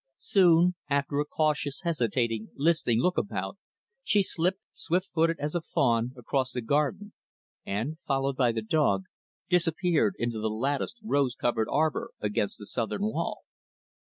Soon, after a cautious, hesitating, listening look about, she slipped, swift footed as a fawn, across the garden, and followed by the dog disappeared into the latticed rose covered arbor against the southern wall.